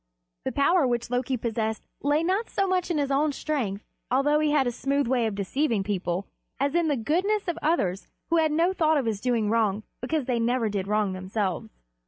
The power which Loki possessed lay not so much in his own strength, although he had a smooth way of deceiving people, as in the goodness of others who had no thought of his doing wrong because they never did wrong themselves.